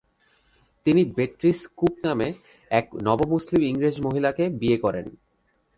তিনি Beatrice Cook নামে এক নবমুসলিম ইংরেজ মহিলাকে বিয়ে করেন।